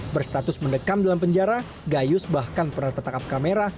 berstatus mendekam dalam penjara gayus bahkan pernah tertangkap kamera